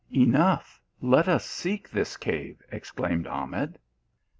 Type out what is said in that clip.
" Enough, let us seek this cave," exclaimed Ahmed.